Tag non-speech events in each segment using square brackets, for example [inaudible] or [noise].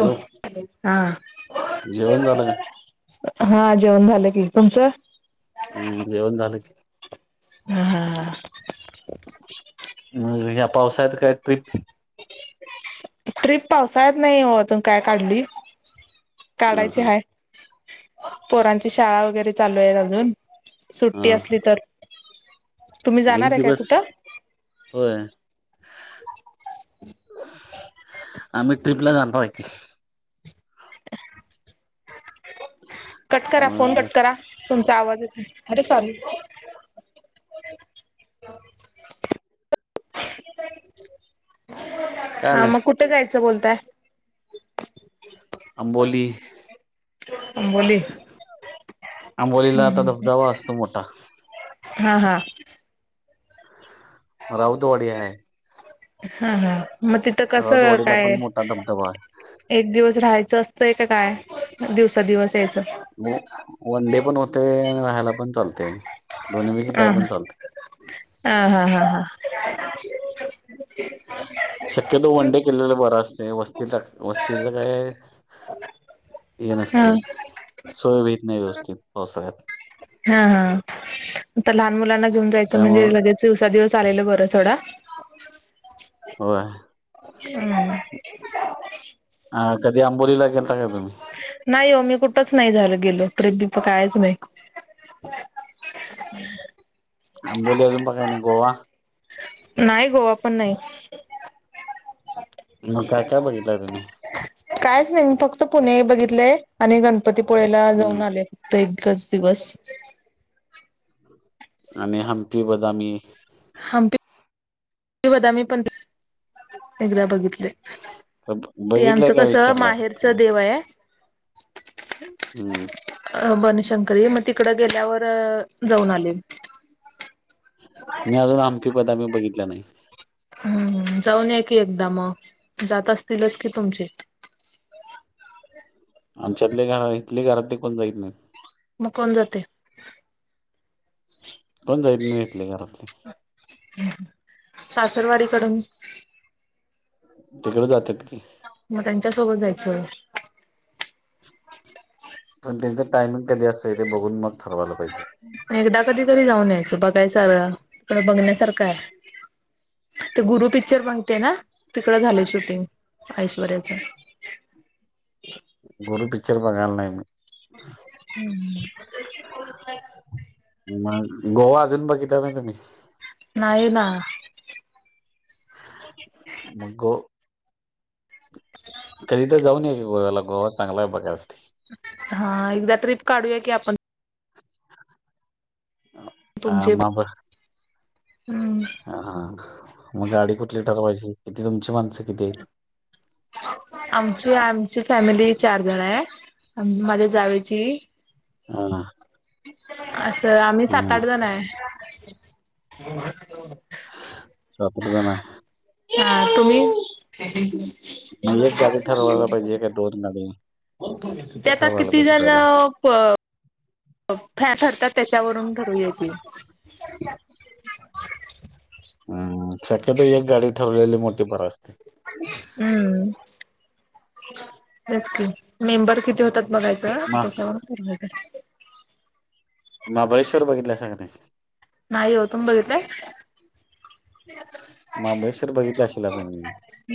हो हॅलो हा जेवण झालं का? हा जेवण झालं की तुमचं हम् जेवण झालं की हा हा ह म ह्या पावसात काय पीठ खरीप पावसाळ्यात नाही तून काय काढली. ह काढायची हा हाय पोरांची शाळा वगैरे चालू आहेत अजून! हा सुट्टी असली तर तुम्ही म एक जाणार आहे काय दिवस, कुठं होय आम्ही ट्रिपला जाणार आहे की. कट करा फोन मग कट करा, तुमचा आवाज येत नाही, सॉरी! काय हा आलंय मग कुठे जायचं बोलताय? अंबोली! आंबोली आंबोलीला आता धबधबा असतो मोठा. हा हा! म राऊतवाडी आहे. हा हा मग तिथं कस राऊतवाडीला काय? पण मोठा धबधबा आहे एक दिवस राहायचं असतंय का काय दिवसा दिवस यायचं? हो वन डे पण होतय आणि राहायला पण चालते दोन्हीपैकी काय हा पण चालत. हा हा हा हा! शक्यतो वन डे केलेला बर असतंय वस्तीला वस्तीच काय हे हा नसतंय सोय होत नाय व्यवस्थित पावसाळ्यात. हा हा आता लहान मुलांना घेऊन जायचं म्हणजे त्यामुळं लगेच दिवसा दिवस आलेलं बरं सोडा. होय, हम्म. अ कधी आंबोलीला गेलता का तुम्ही? नाही ओ मी कुठच नाही झाल गेलो ट्रीप बीप कायच नाही. [unintelligible] आंबोली अजून बघाय नाही अजून काय गोवा? नाही गोवा पण नाही. मग काय काय बघितलंय तुम्ही? कायच नाही मी फक्त पुणे बघितलंय आणि गणपतीपुळेला हम्म जाऊन आले. ते एकच दिवस. आणि हम्पी बदामी हम्पी बदामी मी पण एकदा बघितलय. ते बघितलंय आमचं काय कस विचारला फक्त माहेरच देव आहे. हम्म! बनशंकरी मग तिकडं गेल्यावर जाऊन आले. मी अजून हम्पी बदामी बघितलं नाही. हम्म जाऊन या की एकदा मग, जात असतीलच कि तुमचे आमच्यातले घरात इथले घरातले कोण जाईत नाहीत. मग कोण जातंय? कोण जाइत नाय इथले घरातली. सासरवाडीकडून? तिकडे जात्यात की. मग त्यांच्यासोबत जायचं. पण त्यांचं टायमिंग कधी असतंय ते बघून मग ठरवायला पाहिजे. एकदा कधीतरी जाऊन यायचं तिकड बघण्यासारखं आहे. ते गुरु पिक्चर बघते ना तिकडं झालं शूटिंग ऐश्वर्याचं. गुरु पिक्चर बघायला नाही मी! हम्म! मग गोवा अजून बघितला नाही तुम्ही? नाही ना! [unintelligible] [unintelligible] कधी तर जाऊन येऊ की गोव्याला, गोवा चांगला आहे बघासाठी. हा एकदा ट्रिप काढूया की आपण. हा, तुमची म आपण हम्म. हा. मग गाडी कुठली ठरवायची, तुमची माणसं किती हायत्? आमची आमची फॅमिली चार जण आहे. माझ्या जावेची [unintelligible] असं आम्ही सात, हां. आठ जनाय. शापुरला जाणार हाइत. हां तुम्ही? [unintelligible] मग एक गाडी ठरवायला पाहिजे का गाडी? ते त्या आता ठरवायला किती पाहिजे जण पहिला. फॅन ठरतात त्याच्यावरून ठरून येतील हम् शक्यतो एक गाडी ठरवलेली मोठी फार असते. हम्म तेच की मेंबर किती होतात बघायचे तर मा तिथं जाऊन फिरून येतोय. महाबळेश्वर बघितलासा काय नाही. नाही ओ. तुम्ही बघितलाय? महाबळेश्वर बघितला असशीला तुम्ही.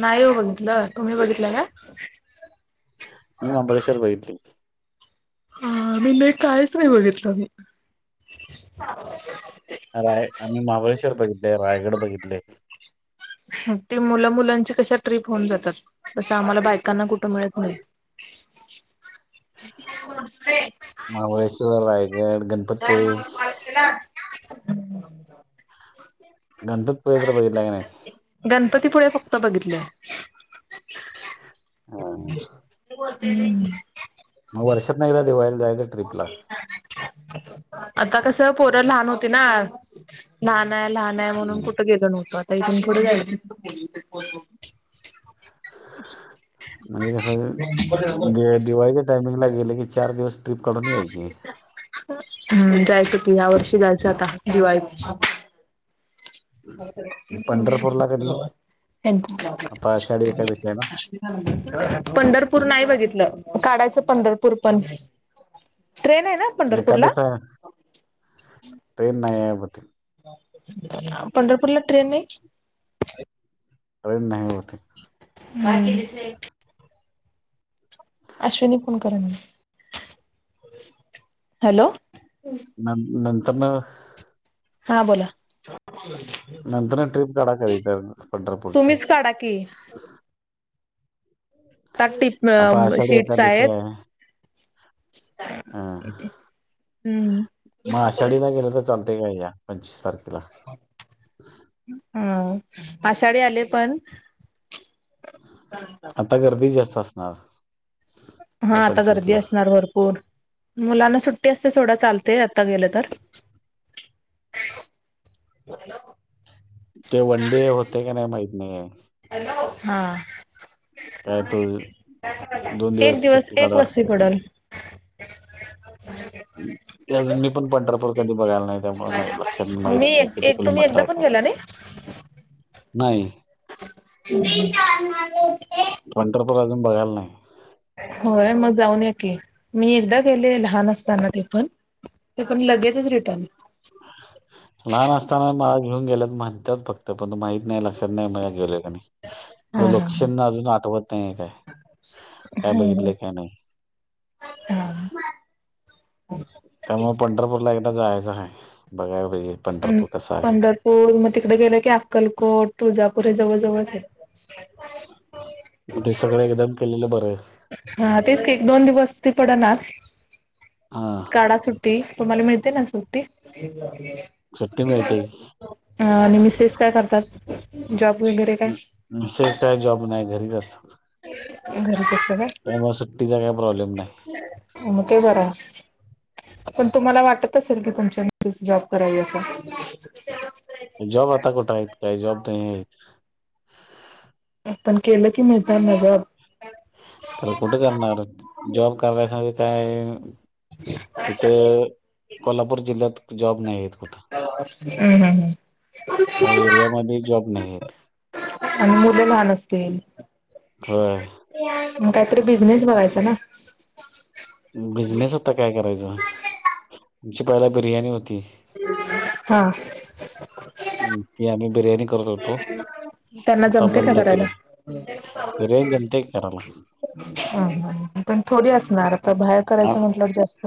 नाही हो बघितलं. तुम्ही बघितलं का? मी महाबळेश्वर बघितलय. हां मी नाही काहीच नाही बघितलं मी. राय आम्ही महाबळेश्वर बघितलय. रायगड बघितलय. ती मुलं-मुलांची कशा ट्रीप होऊन जातात तसं आम्हांला बायकांना कुठं मिळत नाही. [inaudible] [unintelligible] महाबळेश्वर, रायगड काय गणपतपुळे. मला कॉल केलास गणपतीपुळे तर बघितलाय का नाही? गणपतीपुळे फक्त बघितलोय. हां मग वर्षात नाही एकदा दिवाळीला जायचं ट्रीपला. आता कस पोर लहान होती ना लहान आहे लहान नाही म्हणून हं. कुठे गेलो नव्हतं. आता इथून पुढे जायचं. म्हणजे कस म्हणजे दिवाळीच्या टायमिंगला गेलं की चार दिवस ट्रिप काढून यायची. हम्म जायच की ह्या वर्षी जायाच दिवाळीत. [unintelligible] पंढरपूरला कधी आता आषाढी एकादशी आहे ना पंढरपूर नाही बघितलं काढायचं पंढरपूर पण ट्रेन आहे ना पंढरपूरला. एकादश आहे ट्रेन नाही आहे बहुतेक पंढरपूरला ट्रेन नाही. ट्रेन नाही बहुतेक. [unintelligible] अश्विनी फोन कराल्या ना हॅलो नन-नंतर न हां बोला नंतर न ट्रिप काढायला काढा कधी तर पंढरपूरची. काडा की आता टिप आता आषाढी शीट्स एकादशी आहेत आहे. आ हम्म म आषाढीला गेला तर चालतंय का या पंचवीस तारखेला? हाव आषाढी आले पण [unintelligible] आता गर्दी जास्त असणार. या हा आता गर्दी पंचवीसला असणार भरपूर. मुलांना सुट्टी असते सोडा चालते आता गेलं तर. कुणेलो ते वनडे होतय काय नाही माहित नाही. हां. काय तो दोन दिवस सुट्टी काढा एक वस्ती लागतो ना. पडल हम्म ते अजून मी पण पंढरपूर कधी बघायला नाही त्यामुळे माझे लक्षात माहित मी नाही एक किती एक तुम्ही किलोमीटर एकदा आहे पण काय? गेला नाही नाही [unintelligible] पंढरपूर अजून बघायला नाही. होय मग जाऊन ये की मी एकदा गेले लहान असताना ते पण. ते पण लगेचच रिटर्न. लहान असताना मला घेऊन गेल्यात म्हणतात फक्त पण तो माहित नाही लक्षात नाही मला गेलोय का नाय. हा हा लोकेशन अजून आठवत नाही आहे काय काय बघितले काय नाही. हां. त्यामुळे पंढरपूरला एकदा जायचं हाय बघाय पाहिजे. अं पंढरपूर कसं आहे. पंढरपूर मग तिकडे गेलं की अक्कलकोट, तुळजापूर हे जवळ-जवळचं आहे. ते सगळं एकदम केलेलं बरं आहे. हा तेच की एक दोन दिवस ती पडणार हां, काढा सुट् टी तुम्हाला मिळते ना सुट्टी? सुट्टी मिळते. हा आणि मिसेस काय करतात? जॉब वगैरे काय? मिसेज आहे जॉब नाही घरीच असतात. घरीच असते का? त्यामुळे सुट्टीचा काही प्रॉब्लेम नाही. म ते बरं. पण तुम्हाला वाटत असेल की तुमच्या मीसेज जॉब करावी असं. जॉब आता कुठे आहेत काय जॉब नाही आहेत. पण केलं की मिळतात ना जॉब. तर कुठे करणार जॉब करण्यासाठी काय आहे इथे कोल्हापूर जिल्ह्यात जॉब नाही आहेत कुठं. हम्म हम्म हम्म. नाय एरियामध्ये जॉब नाही आहेत. आणि मुलं लहान असतील. होय. म काहीतरी बिझनेस बघायचा ना. बिझनेस आता काय करायचं आमची पहिला बिर्याणी होती. हा. आम्ही बिर्याणी करत होतो त्यांना आता जमते का बंद केले. करायला? बिर्याणी जमतंय करायला. हा हा पण थोडी असणार. आता बाहेर आ करायचं म्हटल्यावर जास्त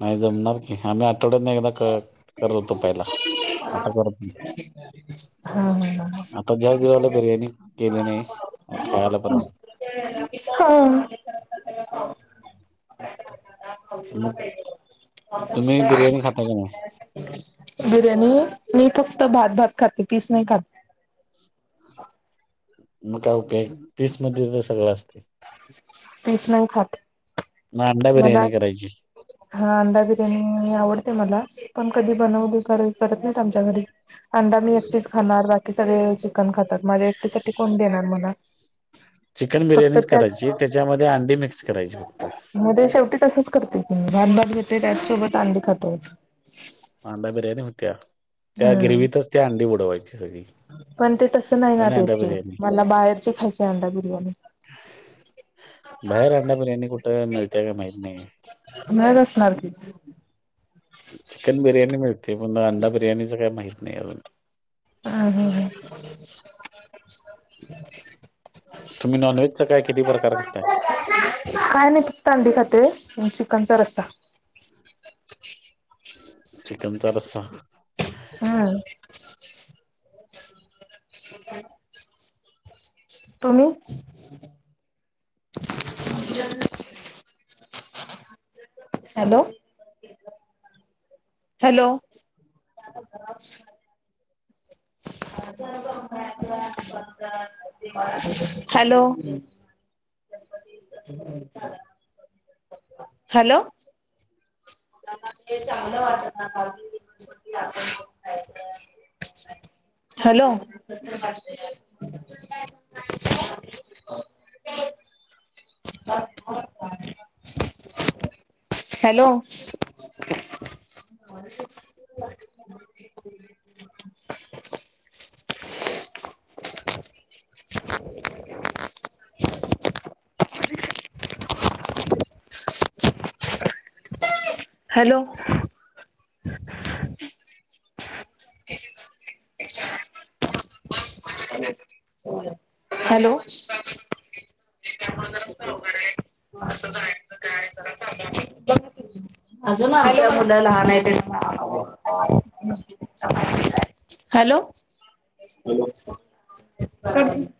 नाही जमणार की आम्ही आठवड्यात ना वाकं करत होतो पहिला आता करत नाहीस. [inaudible] हा आता ज्या ज्या वेळी बिर्याणी केल नाही खायला हा पण नाही हा मग तुम्ही बिर्याणी [inaudible] खाता का नाही बिर्याणी मी फक्त भात भात खाते पीस नाही खात मग काय उपयोग पीस मध्ये तर सगळं असते पीस नाही खात मला अंडा मला बिर्याणी करायची हा अंडा बिर्याणी आवडते मला पण कधी बनवल करत नाहीत आमच्या घरी अंडा मी एकटीच खाणार बाकी सगळे चिकन खातात माझ्या एकटीसाठी कोण देणार मला चिकन फक्त बिर्याणीच त्याच करायची त्याच्यामध्ये अंडी मिक्स करायची फक्त मग ते शेवटी तसंच करते की मी भात घेते त्याचसोबत अंडी खातो अांडा बिर्याय होत्या त्या हम्म गिरवीतच त्या अंडी बुडवायची सगळी पण ते तसं नाही ना आणि अंडा टेस्टी बिर्याणी मला बाहेरची खायची अंडा बिर्याणी बाहेर अंड्या बिर्याणी कुठं मिळते का माहित नाही मग असणार की चिकन बिर्याणी मिळते पण अंडा बिर्याणीच काही माहित नाही अजून हा हा हा तुम्ही नॉनव्हेज च काय किती प्रकार खातय काय नाही फक्त अंडी खाते चिकनचा रस्सा चिकनचा रस्सा हा तुम्ही हॅलो, हॅलो, [inaudible] [inaudible] हॅलो हम्म, हॅलो चांगलं वाटत नाही आपण घेऊन जायचं हॅलो [inaudible] [unintelligible] हॅलो [inaudible] हॅलो. हॅलो. त्यामुळे जरासं अवघड आहे. असंच आहे. अजून [unintelligible] आमची मुलं लहान आहेत त्याच्यामुळे हॅलो. हॅलो. हज [unintelligible]